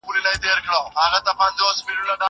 زه به سبا پاکوالي وساتم.